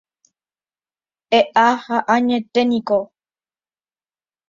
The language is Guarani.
E'a ha añeténiko.